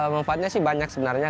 manfaatnya sih banyak sebenarnya